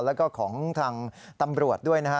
แล้วก็ของทางตำรวจด้วยนะฮะ